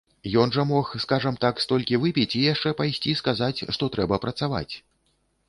Ён жа мог, скажам так, столькі выпіць і яшчэ пайсці сказаць, што трэба працаваць.